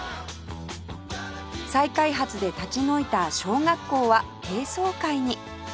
再開発で立ち退いた小学校は低層階に